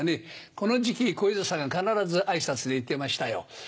この時期小遊三さんが必ず挨拶で言ってましたよ。